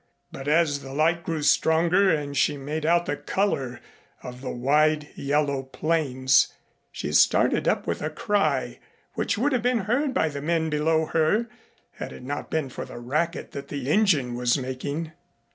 But as the light grew stronger and she made out the color of the wide yellow planes, she started up with a cry which would have been heard by the men below her had it not been for the racket that the engine was making.